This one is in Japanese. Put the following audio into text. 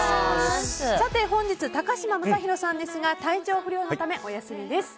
本日、高嶋政宏さんですが体調不良のためお休みです。